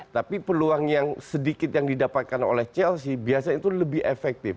tapi peluang yang sedikit yang didapatkan oleh chelsea biasanya itu lebih efektif